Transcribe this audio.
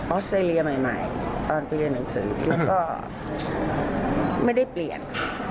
อสเตรเลียใหม่ตอนไปเรียนหนังสือก็ไม่ได้เปลี่ยน